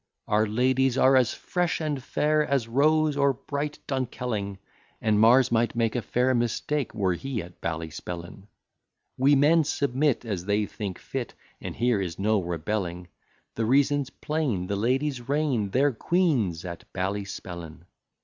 Our ladies are as fresh and fair As Rose, or bright Dunkelling: And Mars might make a fair mistake, Were he at Ballyspellin. We men submit as they think fit, And here is no rebelling: The reason's plain; the ladies reign, They're queens at Ballyspellin.